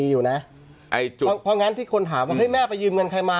อยู่นะไอ้จุ๊กพองั้นที่คนถามว่าให้แม่ไปยืมเงินใครมา